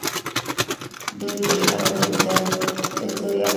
دوی د هرو پینځو یا لسو کلونو لپاره پلان جوړوي.